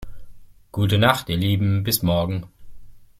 Gute Nacht ihr Lieben, bis morgen.